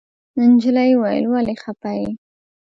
نجلۍ وويل ولې خپه يې.